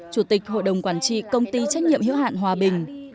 chủ tịch hội đồng quản trị công ty trách nhiệm hiệu hạn hòa bình